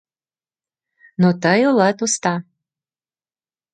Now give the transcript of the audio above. Но тый улат уста.